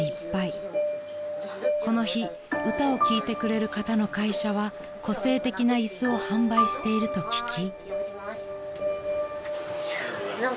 ［この日歌を聴いてくれる方の会社は個性的な椅子を販売していると聞き］